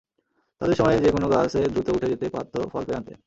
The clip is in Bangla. তাদের সময়ে যে কোন গাছে দ্রুত উঠে যেতে পারতো ফল পেরে আনতে।